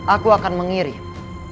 aku akan mengirim